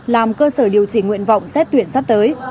làm cơ sở điều chỉnh nguyện vọng xét tuyển sắp tới